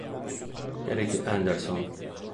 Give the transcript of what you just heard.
Erik Andersson